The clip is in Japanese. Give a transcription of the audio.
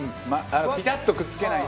ピタッとくっつけないで。